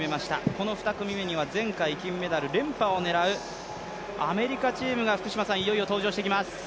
この２組目には前回金メダル連覇を狙うアメリカチームがいよいよ登場してきます。